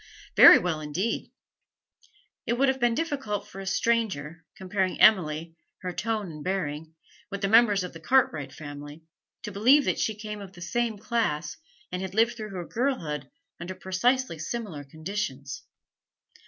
'Very well indeed.' It would have been difficult for a stranger, comparing Emily, her tone and bearing, with the members of the Cartwright family, to believe that she came of the same class and had lived through her girlhood under precisely similar conditions.